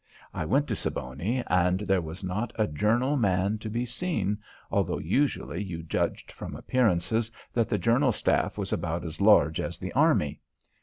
I went to Siboney, and there was not a Journal man to be seen, although usually you judged from appearances that the Journal staff was about as large as the army.